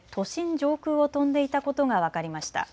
上空を飛んでいたことが分かりました。